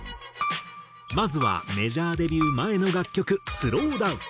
まずはメジャーデビュー前の楽曲『ＳＬＯＷＤＯＷＮ』。